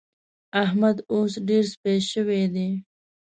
احمد اوس ډېر سپي شوی دی.